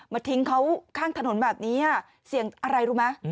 ทิ้งเขาข้างถนนแบบนี้เสียงอะไรรู้ไหม